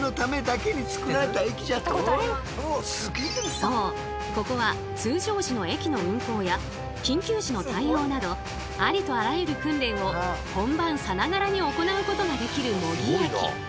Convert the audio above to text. そうここは通常時の駅の運行や緊急時の対応などありとあらゆる訓練を本番さながらに行うことができる模擬駅。